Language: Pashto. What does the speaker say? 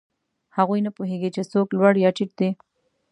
هغوی نه پوهېږي، چې څوک لوړ یا ټیټ دی.